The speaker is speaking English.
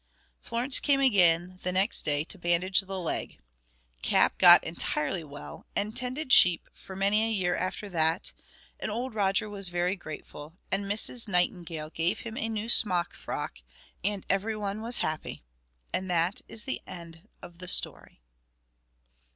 Florence came again the next day to bandage the leg; Cap got entirely well, and tended sheep for many a year after that; and old Roger was very grateful, and Mrs. Nightingale gave him a new smock frock, and everyone was happy; and that is the end of the story.